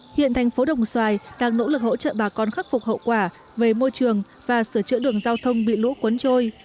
hiện thành phố đồng xoài đang nỗ lực hỗ trợ bà con khắc phục hậu quả về môi trường và sửa chữa đường giao thông bị lũ cuốn trôi